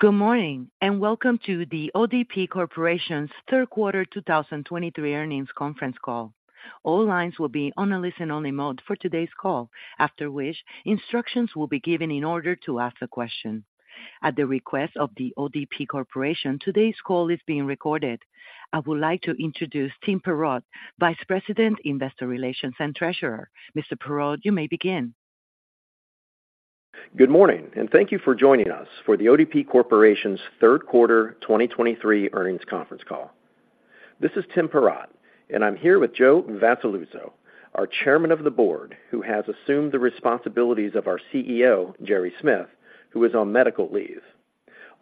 Good morning, and welcome to the ODP Corporation's third quarter 2023 earnings conference call. All lines will be on a listen-only mode for today's call, after which instructions will be given in order to ask a question. At the request of the ODP Corporation, today's call is being recorded. I would like to introduce Tim Perrott, Vice President, Investor Relations, and Treasurer. Mr. Perrott, you may begin Good morning, and thank you for joining us for The ODP Corporation's third quarter 2023 earnings conference call. This is Tim Perrott, and I'm here with Joe Vassalluzzo, our chairman of the board, who has assumed the responsibilities of our CEO, Gerry Smith, who is on medical leave.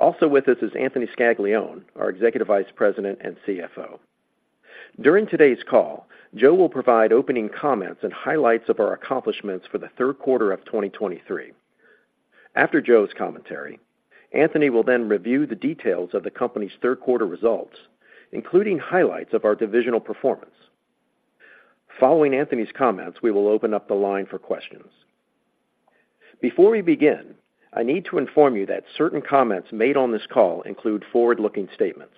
Also with us is Anthony Scaglione, our Executive Vice President and CFO. During today's call, Joe will provide opening comments and highlights of our accomplishments for the third quarter of 2023. After Joe's commentary, Anthony will then review the details of the company's third quarter results, including highlights of our divisional performance. Following Anthony's comments, we will open up the line for questions. Before we begin, I need to inform you that certain comments made on this call include forward-looking statements,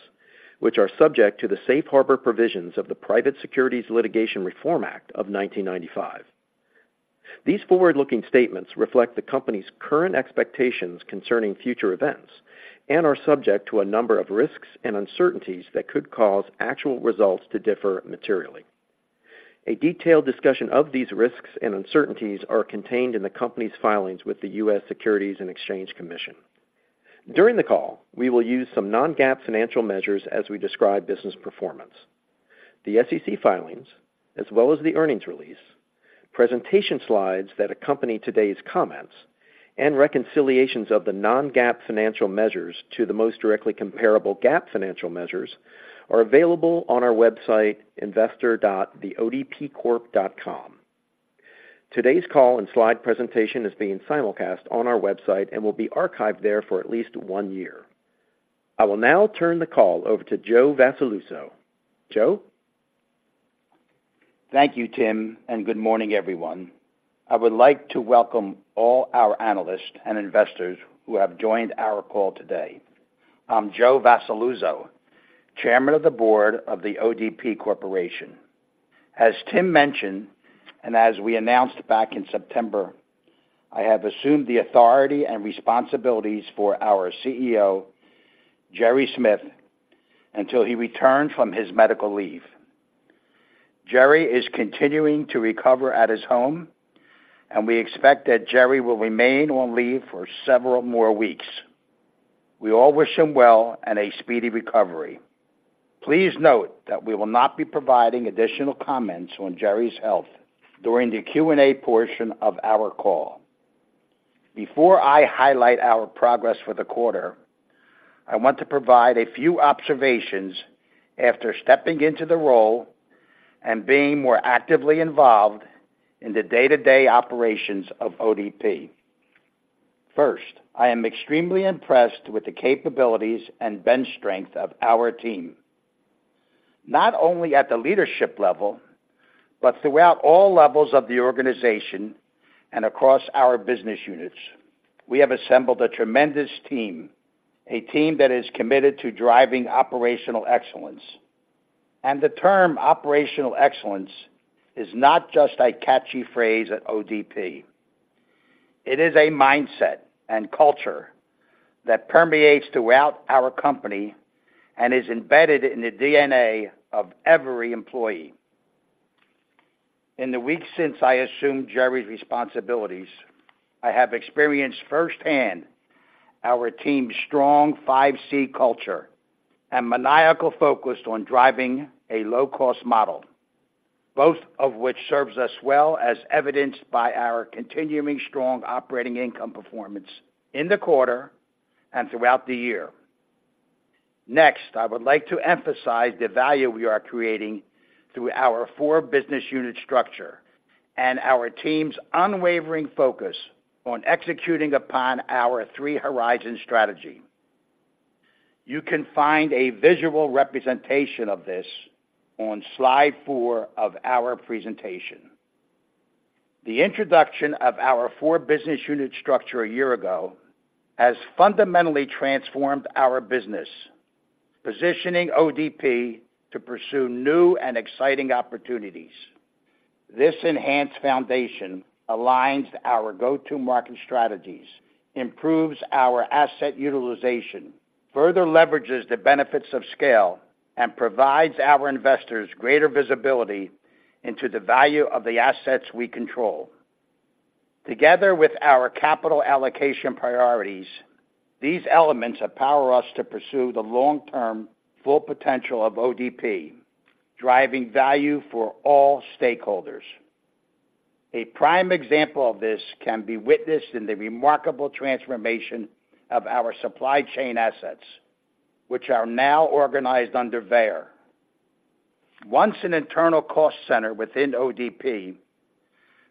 which are subject to the safe harbor provisions of the Private Securities Litigation Reform Act of 1995. These forward-looking statements reflect the company's current expectations concerning future events and are subject to a number of risks and uncertainties that could cause actual results to differ materially. A detailed discussion of these risks and uncertainties are contained in the company's filings with the U.S. Securities and Exchange Commission. During the call, we will use some non-GAAP financial measures as we describe business performance. The SEC filings, as well as the earnings release, presentation slides that accompany today's comments, and reconciliations of the non-GAAP financial measures to the most directly comparable GAAP financial measures are available on our website, investor.theodpcorp.com. Today's call and slide presentation is being simulcast on our website and will be archived there for at least one year. I will now turn the call over to Joe Vassalluzzo. Joe? Thank you, Tim, and good morning, everyone. I would like to welcome all our analysts and investors who have joined our call today. I'm Joe Vassalluzzo, chairman of the board of The ODP Corporation. As Tim mentioned, and as we announced back in September, I have assumed the authority and responsibilities for our CEO, Gerry Smith, until he returns from his medical leave. Gerry is continuing to recover at his home, and we expect that Gerry will remain on leave for several more weeks. We all wish him well and a speedy recovery. Please note that we will not be providing additional comments on Gerry's health during the Q&A portion of our call. Before I highlight our progress for the quarter, I want to provide a few observations after stepping into the role and being more actively involved in the day-to-day operations of ODP. First, I am extremely impressed with the capabilities and bench strength of our team, not only at the leadership level, but throughout all levels of the organization and across our business units. We have assembled a tremendous team, a team that is committed to driving operational excellence. The term operational excellence is not just a catchy phrase at ODP. It is a mindset and culture that permeates throughout our company and is embedded in the DNA of every employee. In the weeks since I assumed Gerry's responsibilities, I have experienced firsthand our team's strong 5C Culture and maniacal focus on driving a low-cost model, both of which serves us well, as evidenced by our continuing strong operating income performance in the quarter and throughout the year. Next, I would like to emphasize the value we are creating through our 4 business unit structure and our team's unwavering focus on executing upon our Three Horizon Strategy. You can find a visual representation of this on slide 4 of our presentation. The introduction of our 4 business unit structure a year ago has fundamentally transformed our business, positioning ODP to pursue new and exciting opportunities. This enhanced foundation aligns our go-to-market strategies, improves our asset utilization, further leverages the benefits of scale, and provides our investors greater visibility into the value of the assets we control. Together with our capital allocation priorities, these elements empower us to pursue the long-term full potential of ODP, driving value for all stakeholders. A prime example of this can be witnessed in the remarkable transformation of our supply chain assets, which are now organized under Veyer. Once an internal cost center within ODP,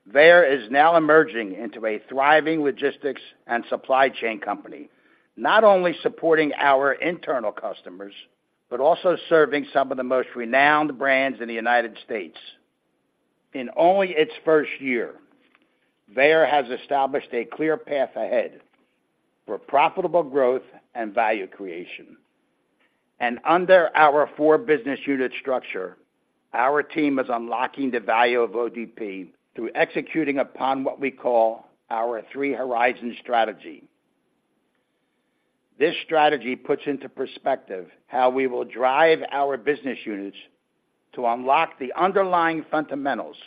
Veyer is now emerging into a thriving logistics and supply chain company, not only supporting our internal customers, but also serving some of the most renowned brands in the United States. In only its first year, Veyer has established a clear path ahead for profitable growth and value creation. Under our four business unit structure, our team is unlocking the value of ODP through executing upon what we call our Three Horizon Strategy. This strategy puts into perspective how we will drive our business units to unlock the underlying fundamentals,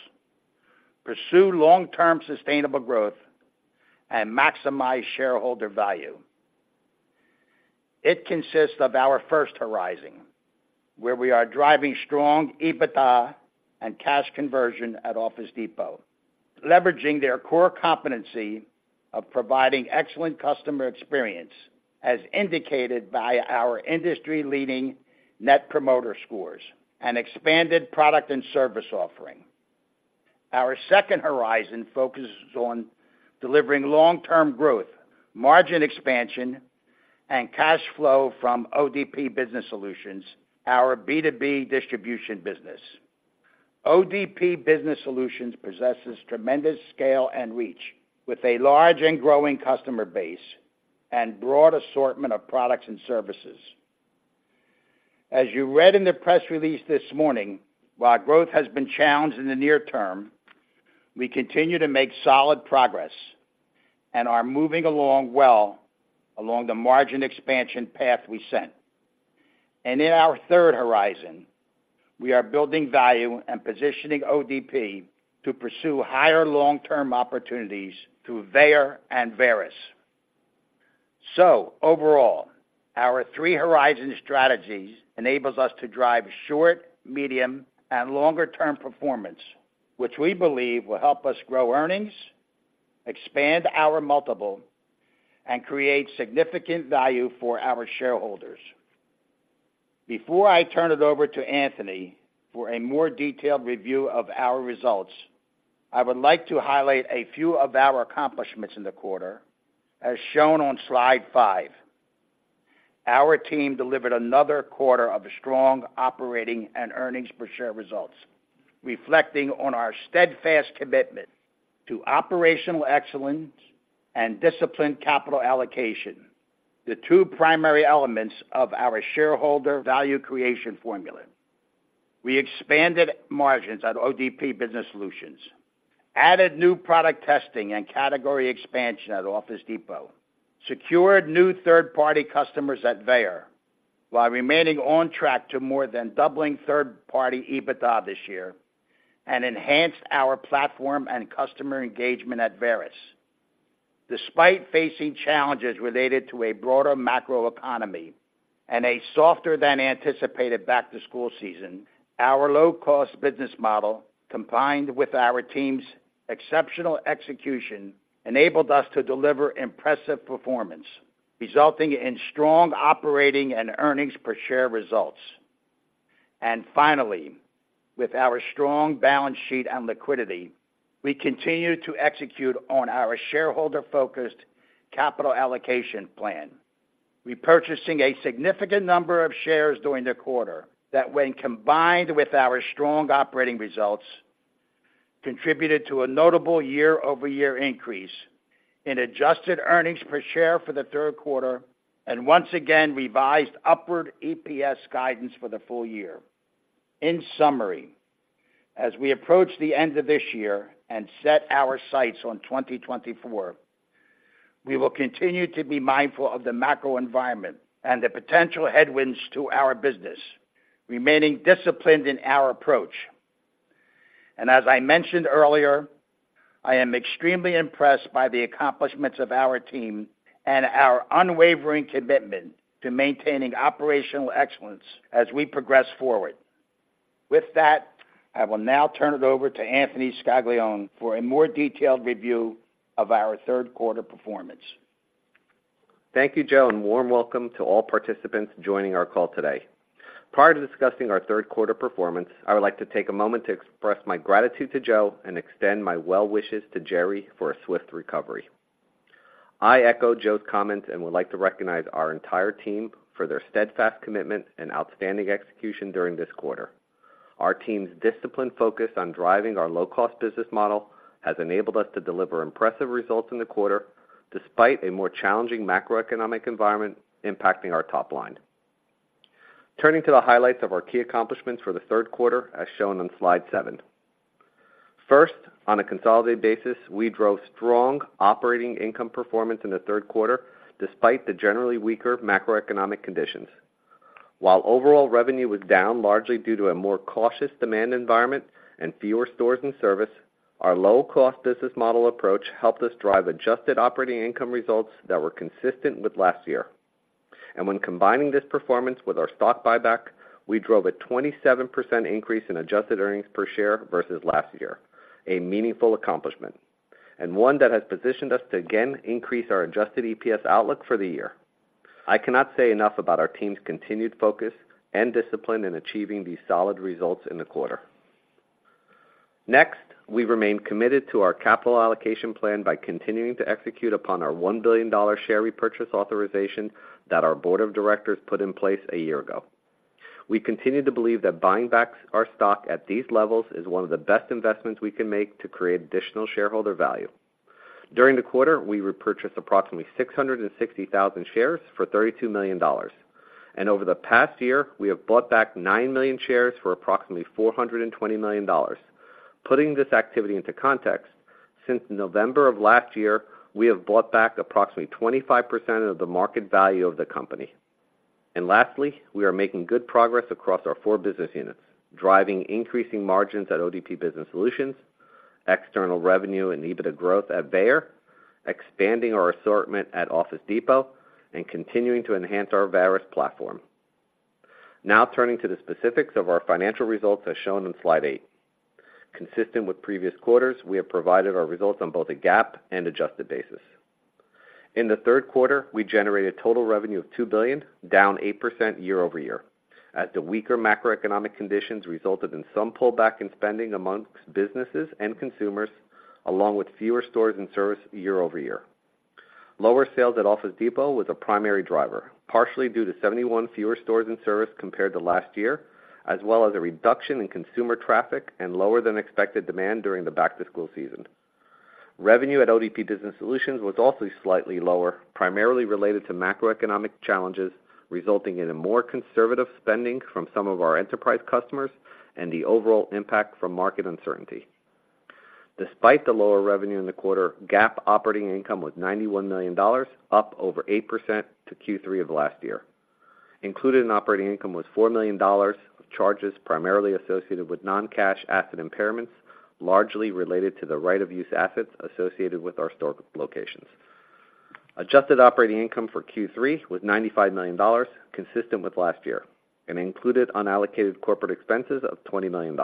pursue long-term sustainable growth, and maximize shareholder value. It consists of our first horizon, where we are driving strong EBITDA and cash conversion at Office Depot, leveraging their core competency of providing excellent customer experience, as indicated by our industry-leading Net Promoter Scores and expanded product and service offering. Our second horizon focuses on delivering long-term growth, margin expansion, and cash flow from ODP Business Solutions, our B2B distribution business. ODP Business Solutions possesses tremendous scale and reach, with a large and growing customer base and broad assortment of products and services. As you read in the press release this morning, while growth has been challenged in the near term, we continue to make solid progress and are moving along well along the margin expansion path we set. In our third horizon, we are building value and positioning ODP to pursue higher long-term opportunities through Veyer and Varis. Overall, our Three Horizon strategies enables us to drive short, medium, and longer-term performance, which we believe will help us grow earnings, expand our multiple, and create significant value for our shareholders. Before I turn it over to Anthony for a more detailed review of our results, I would like to highlight a few of our accomplishments in the quarter, as shown on slide 5. Our team delivered another quarter of strong operating and earnings per share results, reflecting on our steadfast commitment to operational excellence and disciplined capital allocation, the two primary elements of our shareholder value creation formula. We expanded margins at ODP Business Solutions, added new product testing and category expansion at Office Depot, secured new third-party customers at Veyer, while remaining on track to more than doubling third-party EBITDA this year, and enhanced our platform and customer engagement at Varis. Despite facing challenges related to a broader macroeconomy and a softer-than-anticipated back-to-school season, our low-cost business model, combined with our team's exceptional execution, enabled us to deliver impressive performance, resulting in strong operating and earnings per share results. Finally, with our strong balance sheet and liquidity, we continue to execute on our shareholder-focused capital allocation plan, repurchasing a significant number of shares during the quarter that, when combined with our strong operating results, contributed to a notable year-over-year increase in adjusted earnings per share for the third quarter, and once again, revised upward EPS guidance for the full year. In summary, as we approach the end of this year and set our sights on 2024, we will continue to be mindful of the macroenvironment and the potential headwinds to our business, remaining disciplined in our approach. As I mentioned earlier, I am extremely impressed by the accomplishments of our team and our unwavering commitment to maintaining operational excellence as we progress forward. With that, I will now turn it over to Anthony Scaglione for a more detailed review of our third quarter performance. Thank you, Joe, and warm welcome to all participants joining our call today. Prior to discussing our third quarter performance, I would like to take a moment to express my gratitude to Joe and extend my well wishes to Gerry for a swift recovery. I echo Joe's comments and would like to recognize our entire team for their steadfast commitment and outstanding execution during this quarter. Our team's disciplined focus on driving our low-cost business model has enabled us to deliver impressive results in the quarter, despite a more challenging macroeconomic environment impacting our top line. Turning to the highlights of our key accomplishments for the third quarter, as shown on slide 7. First, on a consolidated basis, we drove strong operating income performance in the third quarter, despite the generally weaker macroeconomic conditions. While overall revenue was down, largely due to a more cautious demand environment and fewer stores and service, our low-cost business model approach helped us drive Adjusted operating income results that were consistent with last year. And when combining this performance with our stock buyback, we drove a 27% increase in Adjusted earnings per share versus last year, a meaningful accomplishment, and one that has positioned us to again increase our Adjusted EPS outlook for the year. I cannot say enough about our team's continued focus and discipline in achieving these solid results in the quarter. Next, we remain committed to our capital allocation plan by continuing to execute upon our $1 billion share repurchase authorization that our board of directors put in place a year ago.... We continue to believe that buying back our stock at these levels is one of the best investments we can make to create additional shareholder value. During the quarter, we repurchased approximately 660,000 shares for $32 million, and over the past year, we have bought back 9 million shares for approximately $420 million. Putting this activity into context, since November of last year, we have bought back approximately 25% of the market value of the company. Lastly, we are making good progress across our four business units, driving increasing margins at ODP Business Solutions, external revenue and EBITDA growth at Veyer, expanding our assortment at Office Depot, and continuing to enhance our Varis platform. Now turning to the specifics of our financial results, as shown on Slide eight. Consistent with previous quarters, we have provided our results on both a GAAP and adjusted basis. In the third quarter, we generated total revenue of $2 billion, down 8% year-over-year, as the weaker macroeconomic conditions resulted in some pullback in spending among businesses and consumers, along with fewer stores and services year-over-year. Lower sales at Office Depot was a primary driver, partially due to 71 fewer stores and services compared to last year, as well as a reduction in consumer traffic and lower than expected demand during the back-to-school season. Revenue at ODP Business Solutions was also slightly lower, primarily related to macroeconomic challenges, resulting in a more conservative spending from some of our enterprise customers and the overall impact from market uncertainty. Despite the lower revenue in the quarter, GAAP operating income was $91 million, up over 8% to Q3 of last year. Included in operating income was $4 million of charges, primarily associated with non-cash asset impairments, largely related to the right-of-use assets associated with our store locations. Adjusted operating income for Q3 was $95 million, consistent with last year, and included unallocated corporate expenses of $20 million.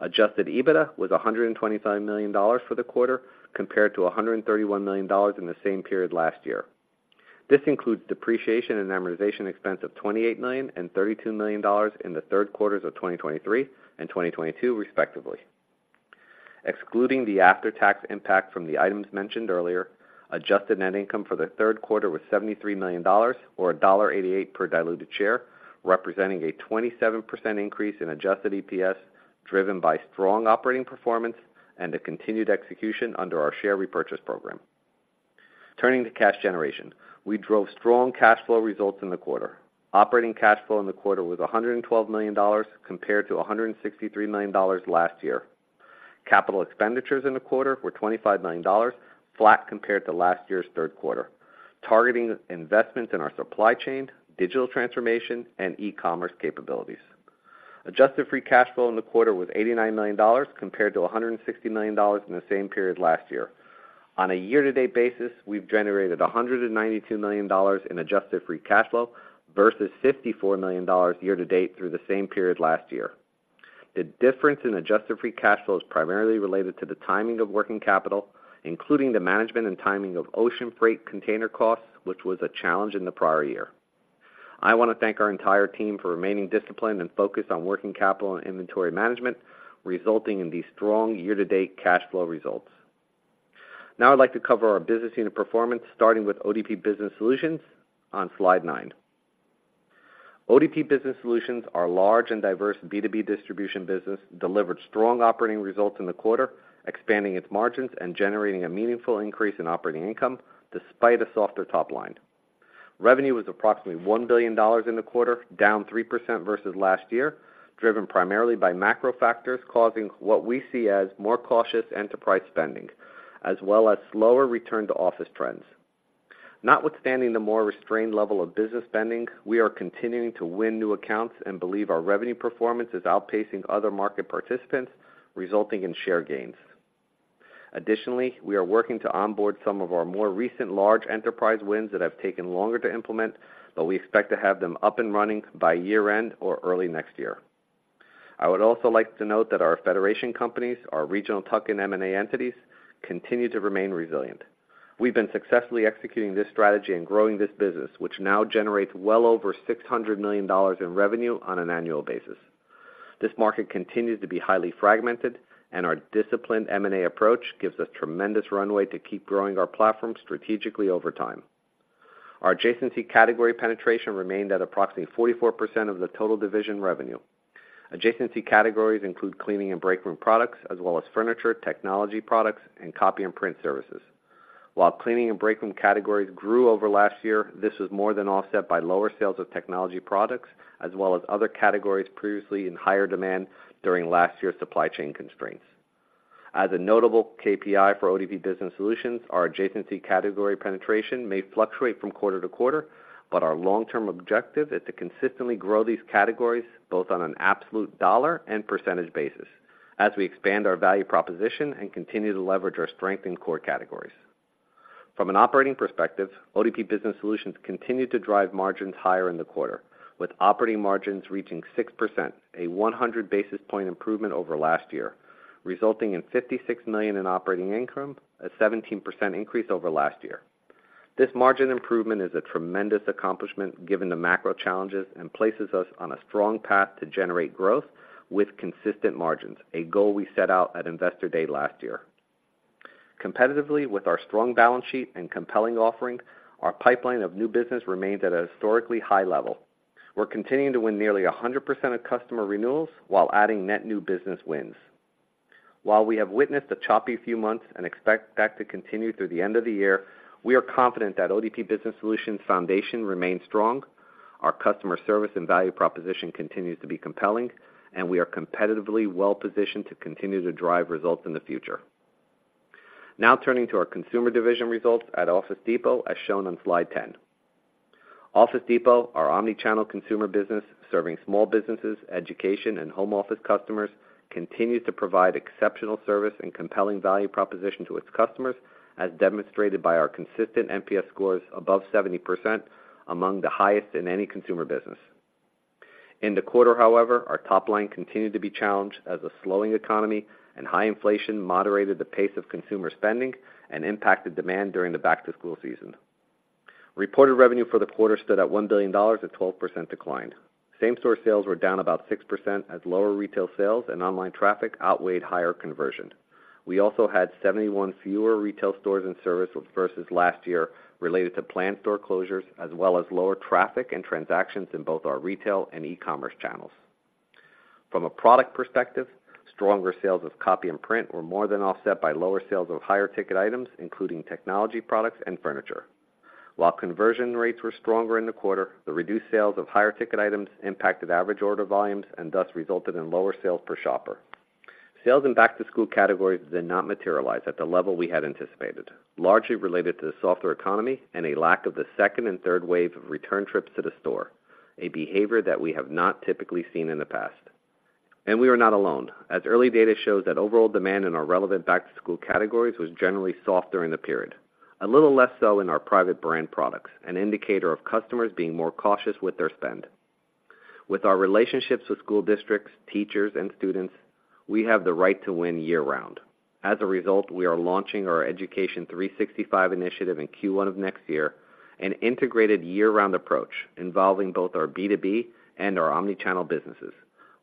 Adjusted EBITDA was $125 million for the quarter, compared to $131 million in the same period last year. This includes depreciation and amortization expense of $28 million and $32 million in the third quarters of 2023 and 2022, respectively. Excluding the after-tax impact from the items mentioned earlier, adjusted net income for the third quarter was $73 million, or $1.88 per diluted share, representing a 27% increase in adjusted EPS, driven by strong operating performance and a continued execution under our share repurchase program. Turning to cash generation. We drove strong cash flow results in the quarter. Operating cash flow in the quarter was $112 million, compared to $163 million last year. Capital expenditures in the quarter were $25 million, flat compared to last year's third quarter, targeting investments in our supply chain, digital transformation, and e-commerce capabilities. Adjusted free cash flow in the quarter was $89 million, compared to $160 million in the same period last year. On a year-to-date basis, we've generated $192 million in Adjusted Free Cash Flow versus $54 million year to date through the same period last year. The difference in Adjusted Free Cash Flow is primarily related to the timing of working capital, including the management and timing of ocean freight container costs, which was a challenge in the prior year. I want to thank our entire team for remaining disciplined and focused on working capital and inventory management, resulting in these strong year-to-date cash flow results. Now I'd like to cover our business unit performance, starting with ODP Business Solutions on Slide 9. ODP Business Solutions, our large and diverse B2B distribution business, delivered strong operating results in the quarter, expanding its margins and generating a meaningful increase in operating income despite a softer top line. Revenue was approximately $1 billion in the quarter, down 3% versus last year, driven primarily by macro factors, causing what we see as more cautious enterprise spending, as well as slower return-to-office trends. Notwithstanding the more restrained level of business spending, we are continuing to win new accounts and believe our revenue performance is outpacing other market participants, resulting in share gains. Additionally, we are working to onboard some of our more recent large enterprise wins that have taken longer to implement, but we expect to have them up and running by year-end or early next year. I would also like to note that our Federation companies, our regional tuck-in M&A entities, continue to remain resilient. We've been successfully executing this strategy and growing this business, which now generates well over $600 million in revenue on an annual basis. This market continues to be highly fragmented, and our disciplined M&A approach gives us tremendous runway to keep growing our platform strategically over time. Our adjacency category penetration remained at approximately 44% of the total division revenue. Adjacency categories include cleaning and break room products, as well as furniture, technology products, and copy and print services. While cleaning and break room categories grew over last year, this was more than offset by lower sales of technology products, as well as other categories previously in higher demand during last year's supply chain constraints. As a notable KPI for ODP Business Solutions, our adjacency category penetration may fluctuate from quarter to quarter, but our long-term objective is to consistently grow these categories, both on an absolute dollar and percentage basis, as we expand our value proposition and continue to leverage our strength in core categories. From an operating perspective, ODP Business Solutions continued to drive margins higher in the quarter, with operating margins reaching 6%, a 100 basis point improvement over last year, resulting in $56 million in operating income, a 17% increase over last year. This margin improvement is a tremendous accomplishment given the macro challenges and places us on a strong path to generate growth with consistent margins, a goal we set out at Investor Day last year.... Competitively with our strong balance sheet and compelling offering, our pipeline of new business remains at a historically high level. We're continuing to win nearly 100% of customer renewals while adding net new business wins. While we have witnessed a choppy few months and expect that to continue through the end of the year, we are confident that ODP Business Solutions foundation remains strong, our customer service and value proposition continues to be compelling, and we are competitively well-positioned to continue to drive results in the future. Now turning to our consumer division results at Office Depot, as shown on slide 10. Office Depot, our omni-channel consumer business, serving small businesses, education, and home office customers, continues to provide exceptional service and compelling value proposition to its customers, as demonstrated by our consistent NPS scores above 70%, among the highest in any consumer business. In the quarter, however, our top line continued to be challenged as a slowing economy and high inflation moderated the pace of consumer spending and impacted demand during the back-to-school season. Reported revenue for the quarter stood at $1 billion, a 12% decline. Same-store sales were down about 6%, as lower retail sales and online traffic outweighed higher conversion. We also had 71 fewer retail stores in service versus last year related to planned store closures, as well as lower traffic and transactions in both our retail and e-commerce channels. From a product perspective, stronger sales of copy and print were more than offset by lower sales of higher-ticket items, including technology products and furniture. While conversion rates were stronger in the quarter, the reduced sales of higher-ticket items impacted average order volumes and thus resulted in lower sales per shopper. Sales in back-to-school categories did not materialize at the level we had anticipated, largely related to the softer economy and a lack of the second and third wave of return trips to the store, a behavior that we have not typically seen in the past. We are not alone, as early data shows that overall demand in our relevant back-to-school categories was generally soft during the period, a little less so in our private brand products, an indicator of customers being more cautious with their spend. With our relationships with school districts, teachers, and students, we have the right to win year-round. As a result, we are launching our Education 365 initiative in Q1 of next year, an integrated year-round approach involving both our B2B and our omnichannel businesses.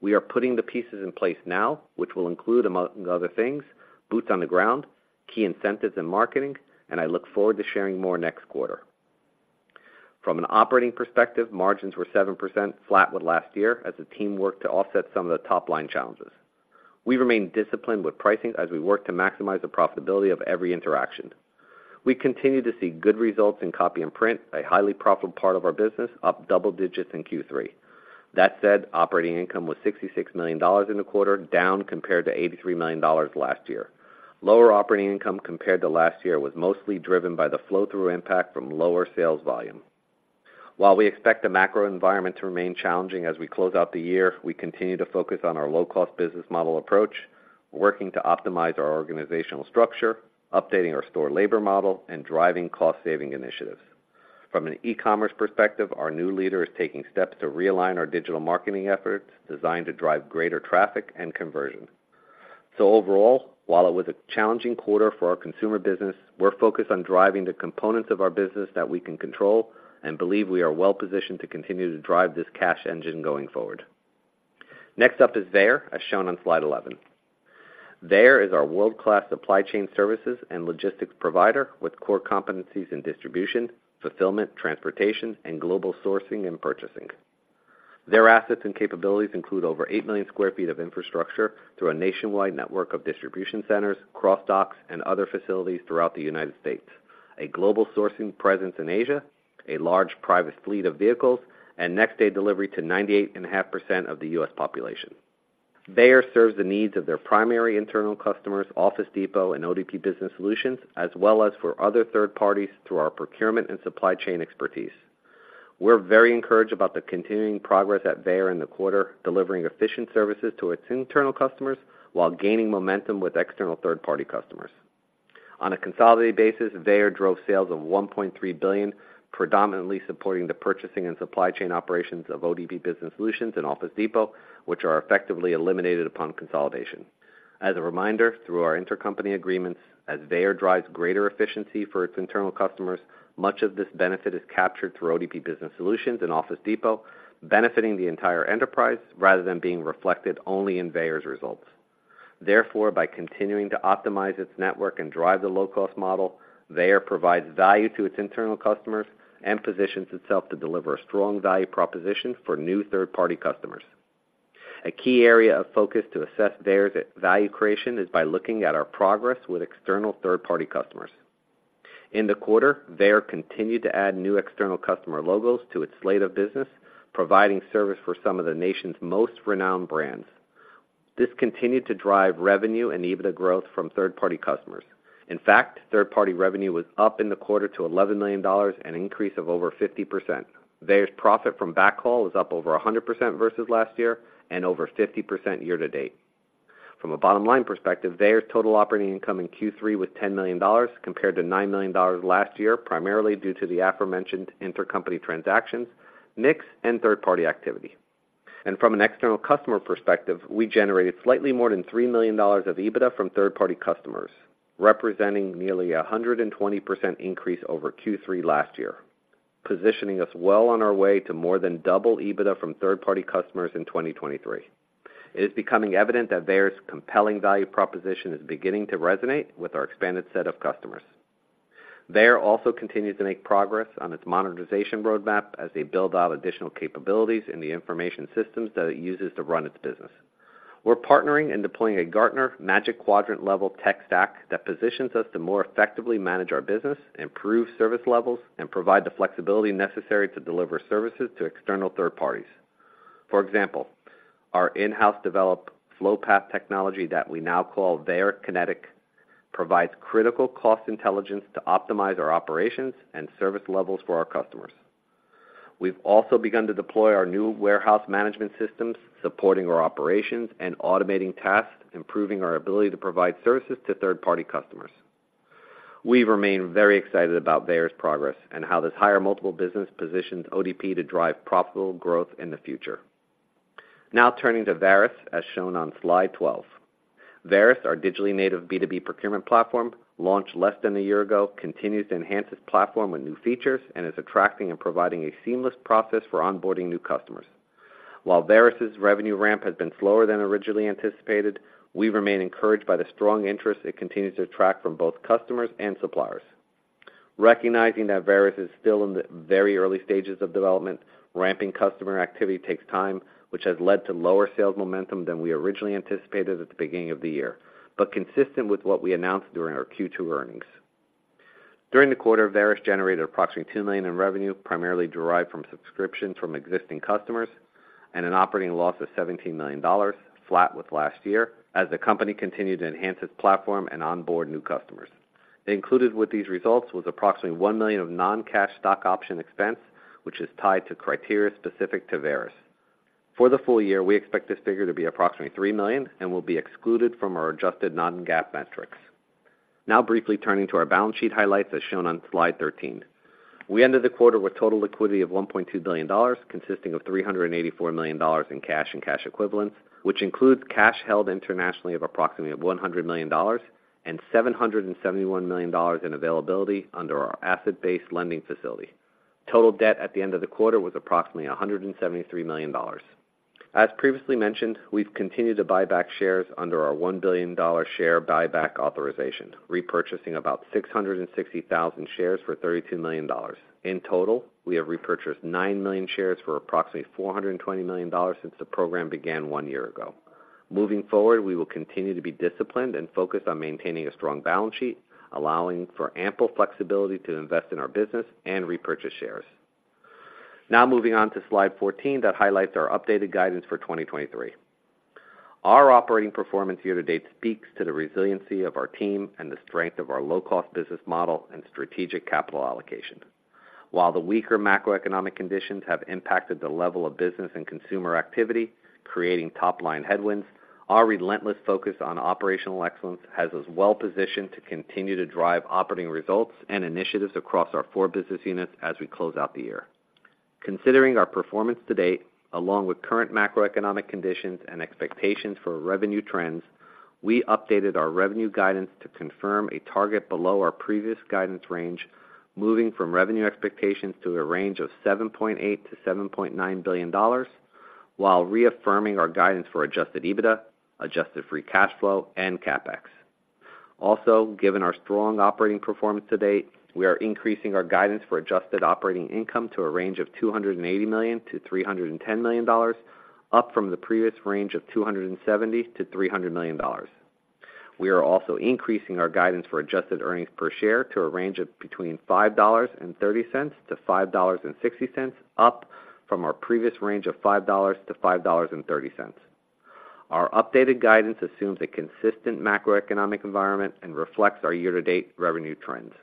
We are putting the pieces in place now, which will include, among other things, boots on the ground, key incentives in marketing, and I look forward to sharing more next quarter. From an operating perspective, margins were 7% flat with last year as the team worked to offset some of the top-line challenges. We remain disciplined with pricing as we work to maximize the profitability of every interaction. We continue to see good results in copy and print, a highly profitable part of our business, up double digits in Q3. That said, operating income was $66 million in the quarter, down compared to $83 million last year. Lower operating income compared to last year was mostly driven by the flow-through impact from lower sales volume. While we expect the macro environment to remain challenging as we close out the year, we continue to focus on our low-cost business model approach, working to optimize our organizational structure, updating our store labor model, and driving cost-saving initiatives. From an e-commerce perspective, our new leader is taking steps to realign our digital marketing efforts, designed to drive greater traffic and conversion. So overall, while it was a challenging quarter for our consumer business, we're focused on driving the components of our business that we can control and believe we are well-positioned to continue to drive this cash engine going forward. Next up is Veyer, as shown on slide 11. Veyer is our world-class supply chain services and logistics provider, with core competencies in distribution, fulfillment, transportation, and global sourcing and purchasing. Their assets and capabilities include over 8 million sq ft of infrastructure through a nationwide network of distribution centers, cross docks, and other facilities throughout the United States, a global sourcing presence in Asia, a large private fleet of vehicles, and next-day delivery to 98.5% of the U.S. population. Veyer serves the needs of their primary internal customers, Office Depot and ODP Business Solutions, as well as for other third parties through our procurement and supply chain expertise. We're very encouraged about the continuing progress at Veyer in the quarter, delivering efficient services to its internal customers while gaining momentum with external third-party customers. On a consolidated basis, Veyer drove sales of $1.3 billion, predominantly supporting the purchasing and supply chain operations of ODP Business Solutions and Office Depot, which are effectively eliminated upon consolidation. As a reminder, through our intercompany agreements, as Veyer drives greater efficiency for its internal customers, much of this benefit is captured through ODP Business Solutions and Office Depot, benefiting the entire enterprise rather than being reflected only in Veyer's results. Therefore, by continuing to optimize its network and drive the low-cost model, Veyer provides value to its internal customers and positions itself to deliver a strong value proposition for new third-party customers. A key area of focus to assess Veyer's value creation is by looking at our progress with external third-party customers. In the quarter, Veyer continued to add new external customer logos to its slate of business, providing service for some of the nation's most renowned brands. This continued to drive revenue and EBITDA growth from third-party customers. In fact, third-party revenue was up in the quarter to $11 million, an increase of over 50%. Veyer's profit from backhaul is up over 100% versus last year and over 50% year to date. From a bottom-line perspective, Veyer's total operating income in Q3 was $10 million, compared to $9 million last year, primarily due to the aforementioned intercompany transactions, mix, and third-party activity. From an external customer perspective, we generated slightly more than $3 million of EBITDA from third-party customers, representing nearly 120% increase over Q3 last year… positioning us well on our way to more than double EBITDA from third-party customers in 2023. It is becoming evident that Veyer's compelling value proposition is beginning to resonate with our expanded set of customers. Veyer also continues to make progress on its monetization roadmap as they build out additional capabilities in the information systems that it uses to run its business. We're partnering and deploying a Gartner Magic Quadrant level tech stack that positions us to more effectively manage our business, improve service levels, and provide the flexibility necessary to deliver services to external third parties. For example, our in-house developed flow path technology that we now call Veyer Kinetic, provides critical cost intelligence to optimize our operations and service levels for our customers. We've also begun to deploy our new warehouse management systems, supporting our operations and automating tasks, improving our ability to provide services to third-party customers. We remain very excited about Veyer's progress and how this higher multiple business positions ODP to drive profitable growth in the future. Now turning to Varis, as shown on slide twelve. Varis, our digitally native B2B procurement platform, launched less than a year ago, continues to enhance its platform with new features and is attracting and providing a seamless process for onboarding new customers. While Varis' revenue ramp has been slower than originally anticipated, we remain encouraged by the strong interest it continues to attract from both customers and suppliers. Recognizing that Varis is still in the very early stages of development, ramping customer activity takes time, which has led to lower sales momentum than we originally anticipated at the beginning of the year, but consistent with what we announced during our Q2 earnings. During the quarter, Varis generated approximately $2 million in revenue, primarily derived from subscriptions from existing customers, and an operating loss of $17 million, flat with last year, as the company continued to enhance its platform and onboard new customers. Included with these results was approximately $1 million of non-cash stock option expense, which is tied to criteria specific to Varis. For the full year, we expect this figure to be approximately $3 million and will be excluded from our adjusted non-GAAP metrics. Now briefly turning to our balance sheet highlights, as shown on slide 13. We ended the quarter with total liquidity of $1.2 billion, consisting of $384 million in cash and cash equivalents, which includes cash held internationally of approximately $100 million and $771 million in availability under our asset-based lending facility. Total debt at the end of the quarter was approximately $173 million. As previously mentioned, we've continued to buy back shares under our $1 billion share buyback authorization, repurchasing about 660,000 shares for $32 million. In total, we have repurchased 9 million shares for approximately $420 million since the program began one year ago. Moving forward, we will continue to be disciplined and focused on maintaining a strong balance sheet, allowing for ample flexibility to invest in our business and repurchase shares. Now moving on to slide 14, that highlights our updated guidance for 2023. Our operating performance year-to-date speaks to the resiliency of our team and the strength of our low-cost business model and strategic capital allocation. While the weaker macroeconomic conditions have impacted the level of business and consumer activity, creating top-line headwinds, our relentless focus on operational excellence has us well positioned to continue to drive operating results and initiatives across our four business units as we close out the year. Considering our performance to date, along with current macroeconomic conditions and expectations for revenue trends, we updated our revenue guidance to confirm a target below our previous guidance range, moving from revenue expectations to a range of $7.8 billion-$7.9 billion, while reaffirming our guidance for Adjusted EBITDA, Adjusted Free Cash Flow, and CapEx. Also, given our strong operating performance to date, we are increasing our guidance for adjusted operating income to a range of $280 million-$310 million, up from the previous range of $270 million-$300 million. We are also increasing our guidance for adjusted earnings per share to a range of between $5.30-$5.60, up from our previous range of $5.00-$5.30. Our updated guidance assumes a consistent macroeconomic environment and reflects our year-to-date revenue trends.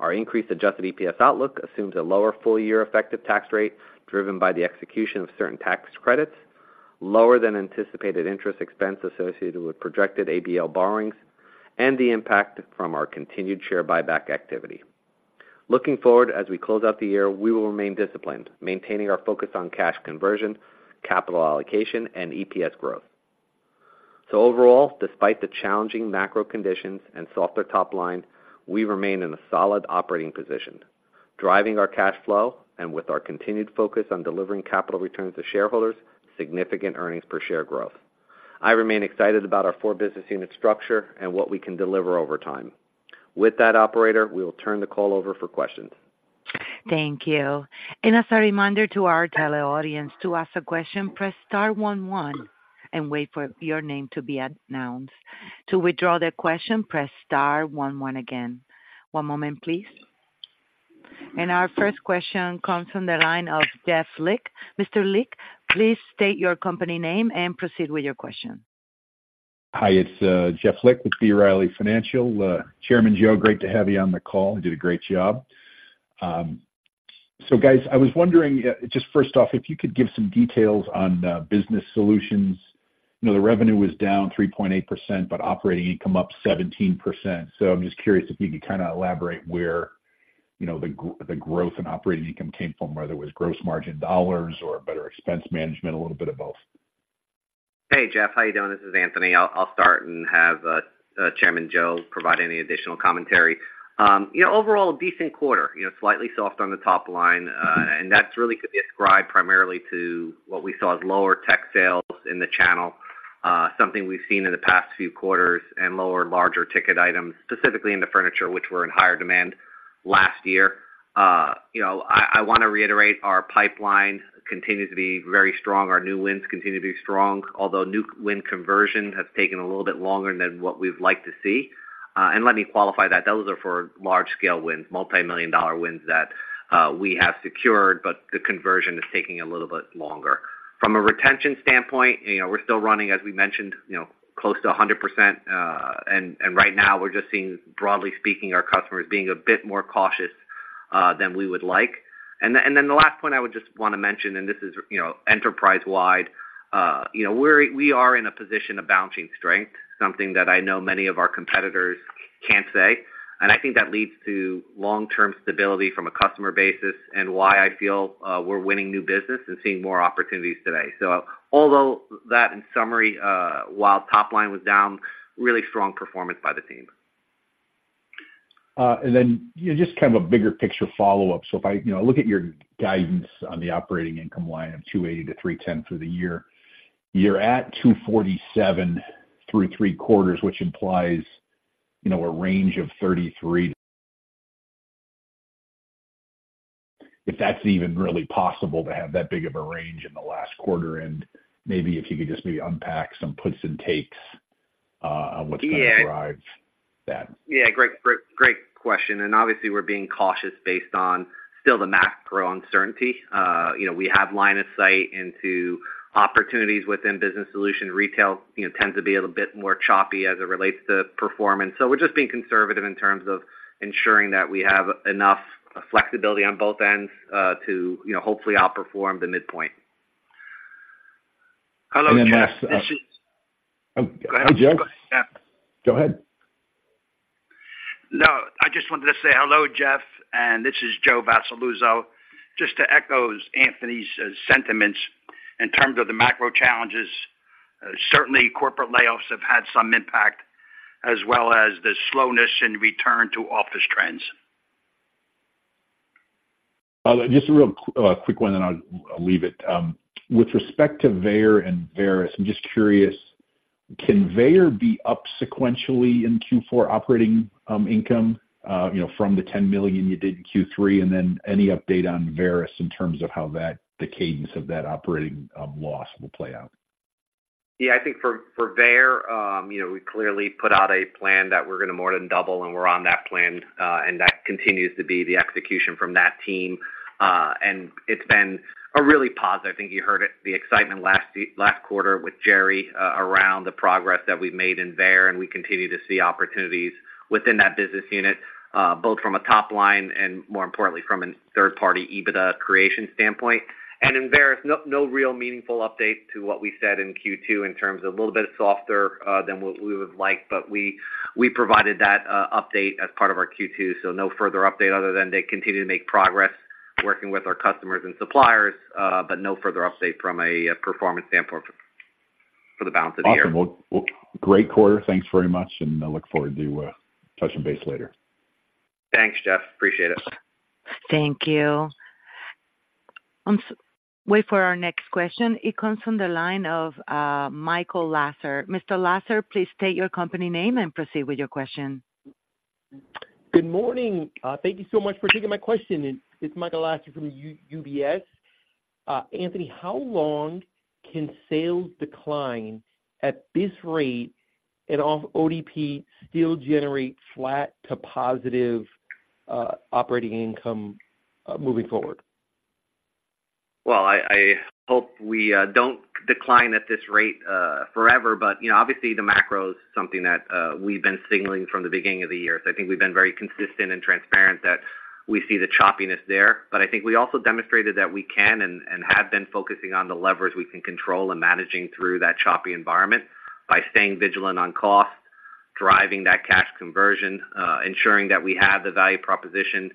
Our increased Adjusted EPS outlook assumes a lower full-year effective tax rate, driven by the execution of certain tax credits, lower than anticipated interest expense associated with projected ABL borrowings, and the impact from our continued share buyback activity. Looking forward, as we close out the year, we will remain disciplined, maintaining our focus on cash conversion, capital allocation, and EPS growth. So overall, despite the challenging macro conditions and softer top line, we remain in a solid operating position, driving our cash flow and with our continued focus on delivering capital returns to shareholders, significant earnings per share growth. I remain excited about our four business unit structure and what we can deliver over time. With that, operator, we will turn the call over for questions. Thank you. As a reminder to our teleaudience, to ask a question, press star one one and wait for your name to be announced. To withdraw the question, press star one one again. One moment, please. Our first question comes from the line of Jeff Lick. Mr. Lick, please state your company name and proceed with your question. Hi, it's Jeff Lick with B. Riley Financial. Chairman Joe, great to have you on the call, you did a great job. So guys, I was wondering, just first off, if you could give some details on business solutions. You know, the revenue was down 3.8%, but operating income up 17%. So I'm just curious if you could kind of elaborate where, you know, the growth in operating income came from, whether it was gross margin dollars or better expense management, a little bit of both?... Hey, Jeff, how you doing? This is Anthony. I'll, I'll start and have Chairman Joe provide any additional commentary. You know, overall, a decent quarter, you know, slightly soft on the top line, and that's really could be ascribed primarily to what we saw as lower tech sales in the channel, something we've seen in the past few quarters, and lower larger ticket items, specifically in the furniture, which were in higher demand last year. You know, I, I wanna reiterate, our pipeline continues to be very strong. Our new wins continue to be strong, although new win conversion has taken a little bit longer than what we'd like to see. And let me qualify that. Those are for large scale wins, multimillion-dollar wins that we have secured, but the conversion is taking a little bit longer. From a retention standpoint, you know, we're still running, as we mentioned, you know, close to 100%, and right now, we're just seeing, broadly speaking, our customers being a bit more cautious than we would like. And then the last point I would just wanna mention, and this is, you know, enterprise-wide. You know, we're in a position of balancing strength, something that I know many of our competitors can't say, and I think that leads to long-term stability from a customer basis and why I feel we're winning new business and seeing more opportunities today. So although that, in summary, while top line was down, really strong performance by the team. and then, you know, just kind of a bigger picture follow-up. So if I, you know, look at your guidance on the operating income line of $280-$310 through the year, you're at $247 through three quarters, which implies, you know, a range of $33. If that's even really possible to have that big of a range in the last quarter. And maybe if you could just maybe unpack some puts and takes, on what kind of drives that. Yeah, great, great, great question, and obviously, we're being cautious based on still the macro uncertainty. You know, we have line of sight into opportunities within business solution. Retail, you know, tends to be a bit more choppy as it relates to performance. So we're just being conservative in terms of ensuring that we have enough flexibility on both ends, to, you know, hopefully outperform the midpoint. Hello, Jeff, this is- Oh, hi, Joe. Yeah. Go ahead. No, I just wanted to say hello, Jeff, and this is Joe Vassalluzzo. Just to echo Anthony's sentiments in terms of the macro challenges, certainly corporate layoffs have had some impact, as well as the slowness in return to office trends. Just a real quick one, then I'll leave it. With respect to Veyer and Varis, I'm just curious, can Veyer be up sequentially in Q4 operating income, you know, from the $10 million you did in Q3, and then any update on Varis in terms of how that, the cadence of that operating loss will play out? Yeah, I think for Veyer, you know, we clearly put out a plan that we're gonna more than double, and we're on that plan, and that continues to be the execution from that team. And it's been a really positive... I think you heard it, the excitement last quarter with Gerry, around the progress that we've made in Veyer, and we continue to see opportunities within that business unit, both from a top line and more importantly, from a third-party EBITDA creation standpoint. In Varis, no, no real meaningful update to what we said in Q2 in terms of a little bit softer than what we would like, but we provided that update as part of our Q2, so no further update other than they continue to make progress working with our customers and suppliers, but no further update from a performance standpoint for the balance of the year. Awesome. Well, great quarter. Thanks very much, and I look forward to touching base later. Thanks, Jeff. Appreciate it. Thank you. Wait for our next question. It comes from the line of Michael Lasser. Mr. Lasser, please state your company name and proceed with your question. Good morning. Thank you so much for taking my question. It's Michael Lasser from UBS. Anthony, how long can sales decline at this rate, and at ODP still generate flat to positive, operating income, moving forward? Well, I hope we don't decline at this rate forever, but you know, obviously, the macro is something that we've been signaling from the beginning of the year. So I think we've been very consistent and transparent that we see the choppiness there. But I think we also demonstrated that we can and have been focusing on the levers we can control and managing through that choppy environment by staying vigilant on cost, driving that cash conversion, ensuring that we have the value proposition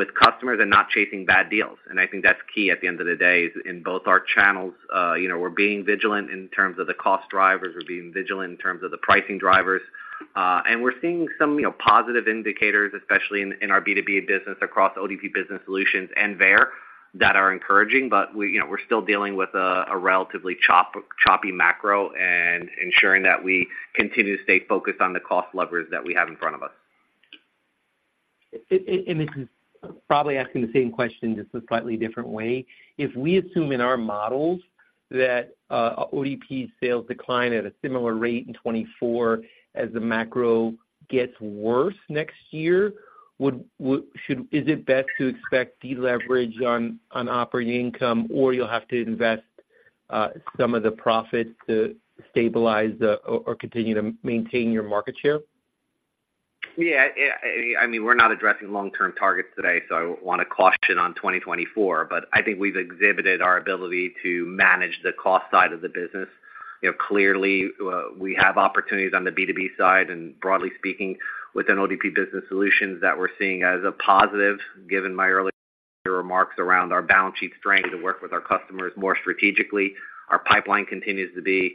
with customers and not chasing bad deals. And I think that's key at the end of the day, is in both our channels, you know, we're being vigilant in terms of the cost drivers, we're being vigilant in terms of the pricing drivers. and we're seeing some, you know, positive indicators, especially in our B2B business across ODP Business Solutions and Veyer, that are encouraging. But you know, we're still dealing with a relatively choppy macro and ensuring that we continue to stay focused on the cost levers that we have in front of us. It and this is probably asking the same question, just a slightly different way. If we assume in our models that ODP sales decline at a similar rate in 2024 as the macro gets worse next year, would, should, is it best to expect deleverage on operating income, or you'll have to invest some of the profits to stabilize or continue to maintain your market share? Yeah, yeah, I mean, we're not addressing long-term targets today, so I wanna caution on 2024, but I think we've exhibited our ability to manage the cost side of the business. You know, clearly, we have opportunities on the B2B side and broadly speaking, within ODP Business Solutions that we're seeing as a positive, given your remarks around our balance sheet strength to work with our customers more strategically. Our pipeline continues to be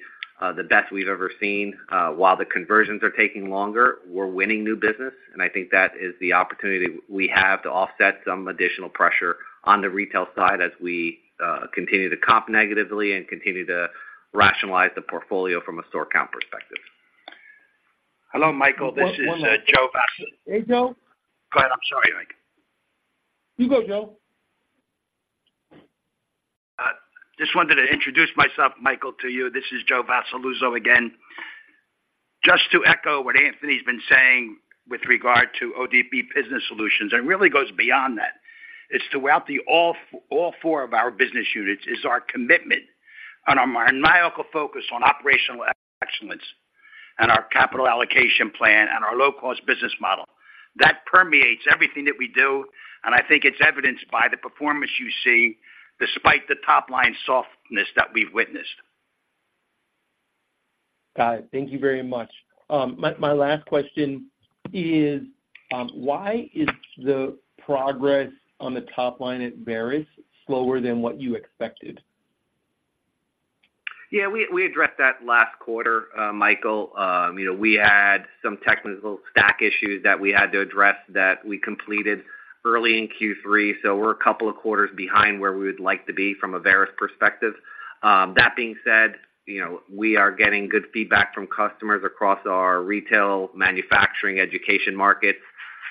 the best we've ever seen. While the conversions are taking longer, we're winning new business, and I think that is the opportunity we have to offset some additional pressure on the retail side as we continue to comp negatively and continue to rationalize the portfolio from a store count perspective. Hello, Michael, this is Joe Vassalluzzo. Hey, Joe. Go ahead. I'm sorry, Mike. You go, Joe. Just wanted to introduce myself, Michael, to you. This is Joe Vassalluzzo again. Just to echo what Anthony's been saying with regard to ODP Business Solutions, it really goes beyond that. It's throughout all four of our business units is our commitment and our maniacal focus on operational excellence and our capital allocation plan and our low-cost business model. That permeates everything that we do, and I think it's evidenced by the performance you see, despite the top-line softness that we've witnessed. Got it. Thank you very much. My last question is, why is the progress on the top line at Varis slower than what you expected? Yeah, we addressed that last quarter, Michael. You know, we had some technical stack issues that we had to address that we completed early in Q3, so we're a couple of quarters behind where we would like to be from a Varis perspective. That being said, you know, we are getting good feedback from customers across our retail, manufacturing, education markets,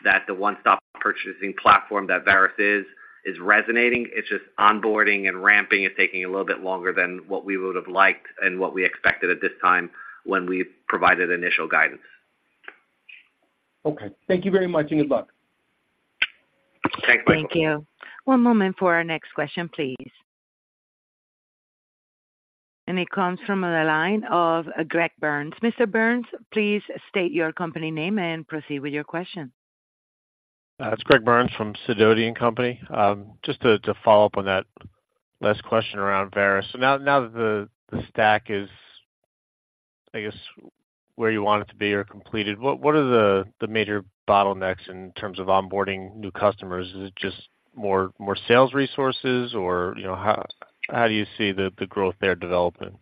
that the one-stop purchasing platform that Varis is resonating. It's just onboarding and ramping is taking a little bit longer than what we would have liked and what we expected at this time when we provided initial guidance. Okay. Thank you very much, and good luck. Thanks, Michael. Thank you. One moment for our next question, please. It comes from the line of Greg Burns. Mr. Burns, please state your company name and proceed with your question. It's Greg Burns from Sidoti & Company. Just to follow up on that last question around Varis. So now that the stack is, I guess, where you want it to be or completed, what are the major bottlenecks in terms of onboarding new customers? Is it just more sales resources, or, you know, how do you see the growth there developing?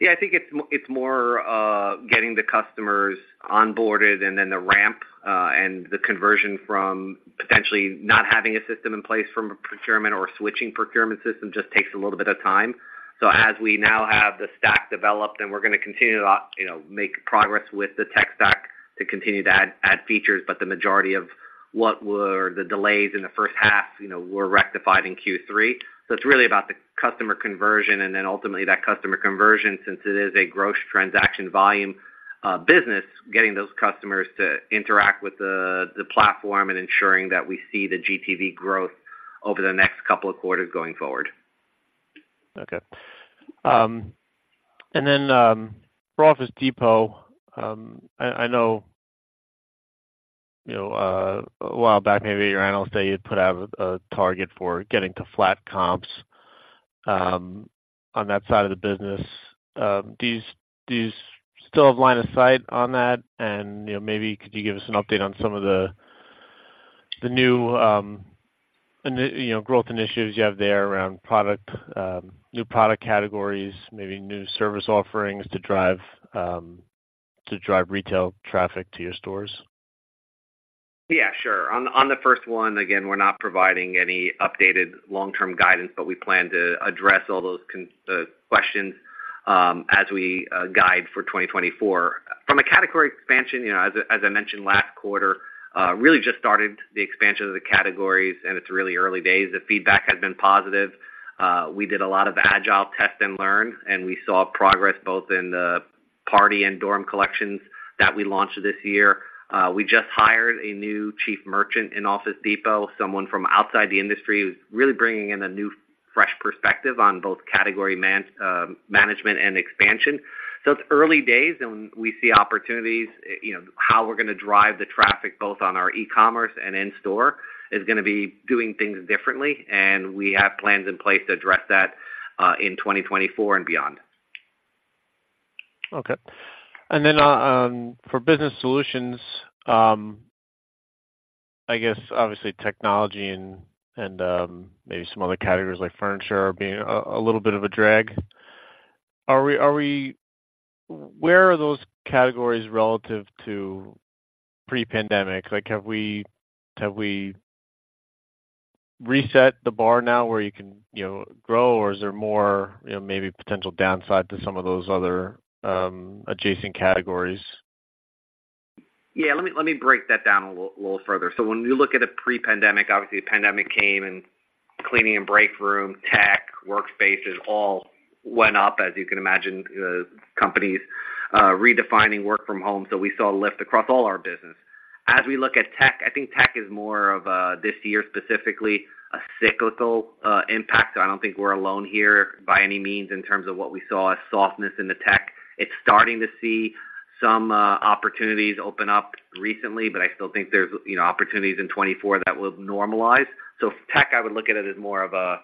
Yeah, I think it's more, getting the customers onboarded and then the ramp, and the conversion from potentially not having a system in place from a procurement or switching procurement system just takes a little bit of time. So as we now have the stack developed, and we're gonna continue to, you know, make progress with the tech stack to continue to add features, but the majority of what were the delays in the first half, you know, were rectified in Q3. So it's really about the customer conversion and then ultimately that customer conversion, since it is a gross transaction volume business, getting those customers to interact with the platform and ensuring that we see the GTV growth over the next couple of quarters going forward. Okay. And then, for Office Depot, I know, you know, a while back, maybe at your analyst day, you'd put out a target for getting to flat comps on that side of the business. Do you still have line of sight on that? And, you know, maybe could you give us an update on some of the new, you know, growth initiatives you have there around product, new product categories, maybe new service offerings to drive retail traffic to your stores? Yeah, sure. On the first one, again, we're not providing any updated long-term guidance, but we plan to address all those questions as we guide for 2024. From a category expansion, you know, as I mentioned last quarter, really just started the expansion of the categories, and it's really early days. The feedback has been positive. We did a lot of agile test and learn, and we saw progress both in the party and dorm collections that we launched this year. We just hired a new Chief Merchant in Office Depot, someone from outside the industry, who's really bringing in a new, fresh perspective on both category management and expansion. It's early days, and we see opportunities, you know, how we're gonna drive the traffic, both on our e-commerce and in-store, is gonna be doing things differently, and we have plans in place to address that, in 2024 and beyond. Okay. And then, for business solutions, I guess obviously technology and maybe some other categories like furniture are being a little bit of a drag. Are we-- Where are those categories relative to pre-pandemic? Like, have we reset the bar now where you can, you know, grow, or is there more, you know, maybe potential downside to some of those other adjacent categories? Yeah, let me, let me break that down a little, little further. So when we look at a pre-pandemic, obviously the pandemic came and cleaning and break room, tech, workspaces, all went up, as you can imagine, companies redefining work from home. So we saw a lift across all our business. As we look at tech, I think tech is more of, this year, specifically a cyclical impact. I don't think we're alone here by any means, in terms of what we saw as softness in the tech. It's starting to see some, opportunities open up recently, but I still think there's, you know, opportunities in 2024 that will normalize. So tech, I would look at it as more of a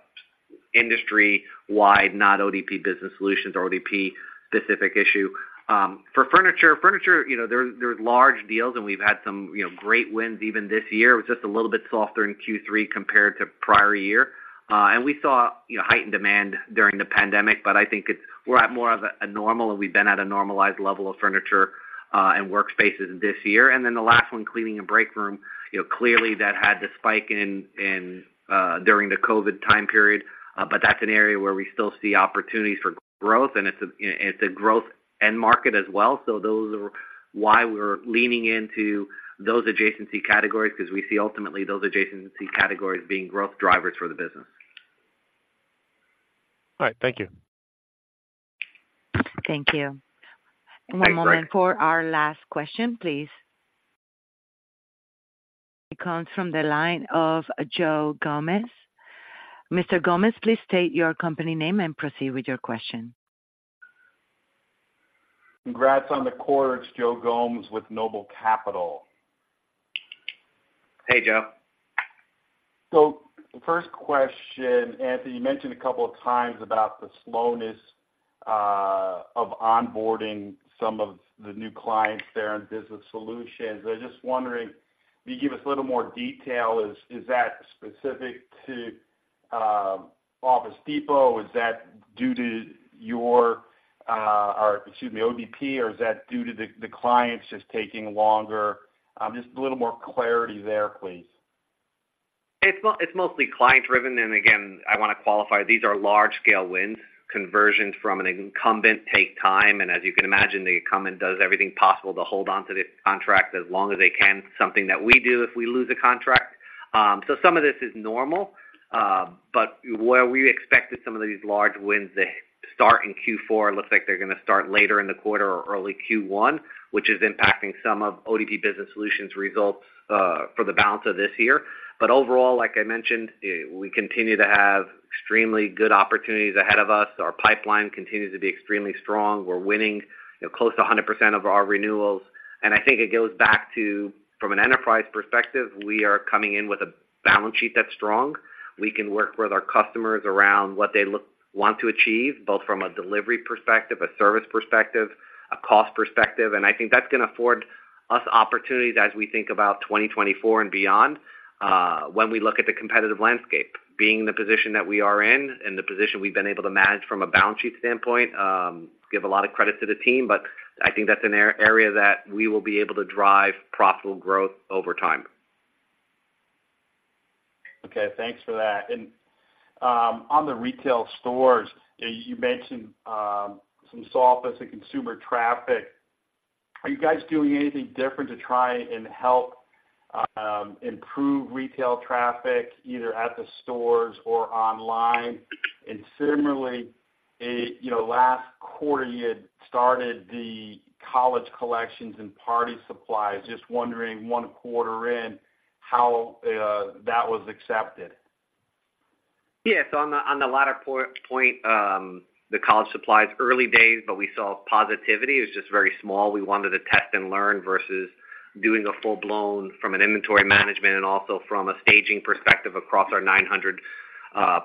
industry-wide, not ODP Business Solutions or ODP specific issue. For furniture, you know, there's large deals, and we've had some, you know, great wins even this year. It was just a little bit softer in Q3 compared to prior year. And we saw, you know, heightened demand during the pandemic, but I think it's, we're at more of a normal, and we've been at a normalized level of furniture and workspaces this year. And then the last one, cleaning and break room, you know, clearly, that had the spike in during the COVID time period. But that's an area where we still see opportunities for growth, and it's a growth end market as well. So those are why we're leaning into those adjacency categories, because we see ultimately those adjacency categories being growth drivers for the business. All right. Thank you. Thank you. Thanks, Greg. One moment for our last question, please. It comes from the line of Joe Gomes. Mr. Gomes, please state your company name and proceed with your question. Congrats on the quarter. It's Joe Gomes with Noble Capital. Hey, Joe. So first question, Anthony, you mentioned a couple of times about the slowness of onboarding some of the new clients there in Business Solutions. I was just wondering, can you give us a little more detail? Is that specific to Office Depot? Is that due to your, or excuse me, ODP, or is that due to the clients just taking longer? Just a little more clarity there, please. It's mostly client-driven, and again, I wanna qualify, these are large-scale wins. Conversions from an incumbent take time, and as you can imagine, the incumbent does everything possible to hold on to this contract as long as they can, something that we do if we lose a contract. So some of this is normal, but where we expected some of these large wins to start in Q4, it looks like they're gonna start later in the quarter or early Q1, which is impacting some of ODP Business Solutions results, for the balance of this year. But overall, like I mentioned, we continue to have extremely good opportunities ahead of us. Our pipeline continues to be extremely strong. We're winning, you know, close to 100% of our renewals. And I think it goes back to, from an enterprise perspective, we are coming in with a balance sheet that's strong. We can work with our customers around what they want to achieve, both from a delivery perspective, a service perspective, a cost perspective, and I think that's gonna afford us opportunities as we think about 2024 and beyond, when we look at the competitive landscape. Being in the position that we are in, and the position we've been able to manage from a balance sheet standpoint, give a lot of credit to the team, but I think that's an area that we will be able to drive profitable growth over time. Okay, thanks for that. And on the retail stores, you mentioned some softness in consumer traffic. Are you guys doing anything different to try and help improve retail traffic, either at the stores or online? And similarly, you know, last quarter, you had started the college collections and party supplies. Just wondering, one quarter in, how that was accepted? Yeah, so on the latter point, the college supplies, early days, but we saw positivity. It was just very small. We wanted to test and learn versus doing a full-blown from an inventory management and also from a staging perspective across our 900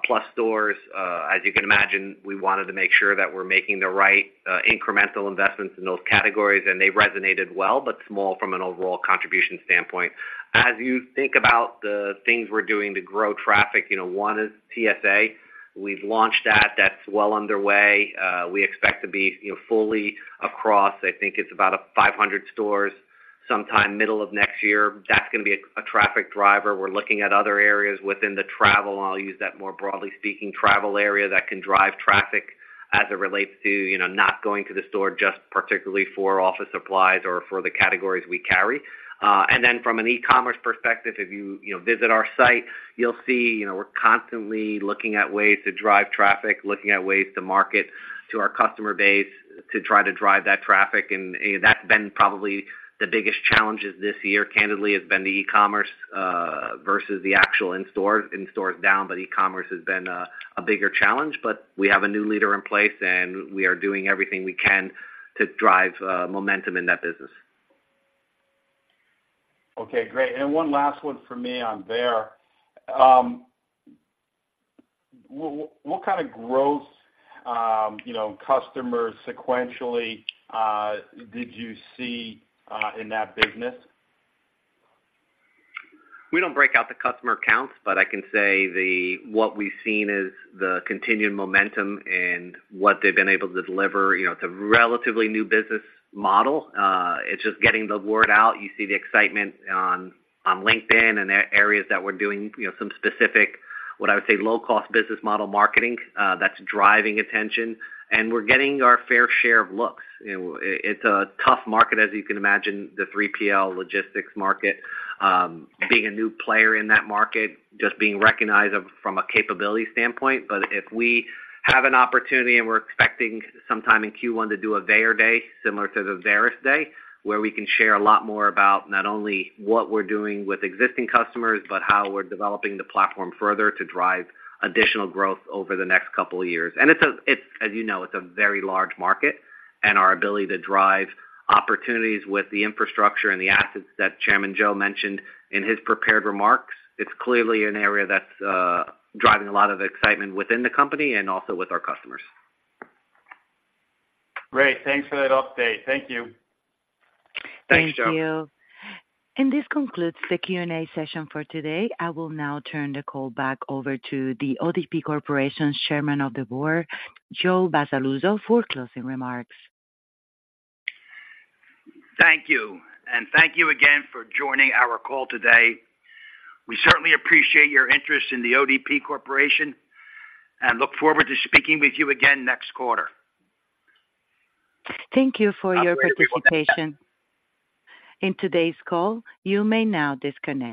plus stores. As you can imagine, we wanted to make sure that we're making the right incremental investments in those categories, and they resonated well, but small from an overall contribution standpoint. As you think about the things we're doing to grow traffic, you know, one is TSA. We've launched that. That's well underway. We expect to be, you know, fully across, I think it's about 500 stores, sometime middle of next year. That's gonna be a traffic driver. We're looking at other areas within the travel, and I'll use that more broadly speaking, travel area that can drive traffic as it relates to, you know, not going to the store just particularly for office supplies or for the categories we carry. And then from an e-commerce perspective, if you, you know, visit our site, you'll see, you know, we're constantly looking at ways to drive traffic, looking at ways to market to our customer base, to try to drive that traffic. And that's been probably the biggest challenges this year. Candidly, has been the e-commerce versus the actual in-store. In-store is down, but e-commerce has been a bigger challenge. But we have a new leader in place, and we are doing everything we can to drive momentum in that business. Okay, great. And one last one for me on there. What kind of growth, you know, customers sequentially, did you see in that business? We don't break out the customer counts, but I can say the, what we've seen is the continued momentum and what they've been able to deliver. You know, it's a relatively new business model. It's just getting the word out. You see the excitement on, on LinkedIn and the areas that we're doing, you know, some specific, what I would say, low-cost business model marketing, that's driving attention, and we're getting our fair share of looks. You know, it, it's a tough market, as you can imagine, the 3PL logistics market, being a new player in that market, just being recognized of, from a capability standpoint. But if we have an opportunity, and we're expecting sometime in Q1 to do a Veyer day, similar to the Varis day, where we can share a lot more about not only what we're doing with existing customers, but how we're developing the platform further to drive additional growth over the next couple of years. And it's a, it's, as you know, it's a very large market, and our ability to drive opportunities with the infrastructure and the assets that Chairman Joe mentioned in his prepared remarks, it's clearly an area that's driving a lot of excitement within the company and also with our customers. Great. Thanks for that update. Thank you. Thanks, Joe. Thank you. This concludes the Q&A session for today. I will now turn the call back over to the ODP Corporation's Chairman of the Board, Joe Vassalluzzo, for closing remarks. Thank you, and thank you again for joining our call today. We certainly appreciate your interest in The ODP Corporation, and look forward to speaking with you again next quarter. Thank you for your participation. ... In today's call. You may now disconnect.